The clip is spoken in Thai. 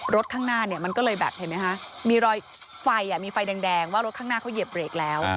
ข้างหน้าเนี่ยมันก็เลยแบบเห็นไหมคะมีรอยไฟมีไฟแดงว่ารถข้างหน้าเขาเหยียบเบรกแล้ว